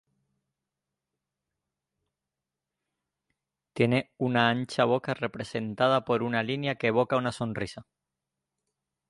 Tiene una ancha boca representada por una línea que evoca una sonrisa.